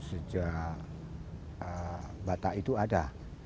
sejak batak itu ada